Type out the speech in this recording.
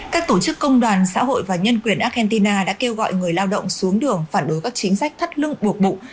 các tổ chức công đoàn xã hội và nhân quyền argentina đã kêu gọi người lao động xuống đường phản đối các chính sách thất lưng buộc bụng